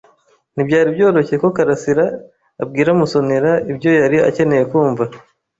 Ntibyari byoroshye ko Kalasira abwira Musonera ibyo yari akeneye kumva.